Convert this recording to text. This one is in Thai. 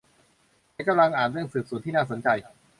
ฉันกำลังอ่านเรื่องสืบสวนที่น่าสนใจ